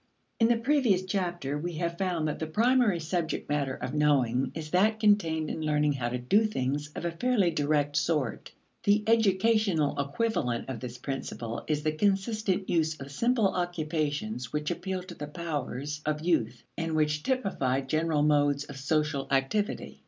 In the previous chapter we found that the primary subject matter of knowing is that contained in learning how to do things of a fairly direct sort. The educational equivalent of this principle is the consistent use of simple occupations which appeal to the powers of youth and which typify general modes of social activity.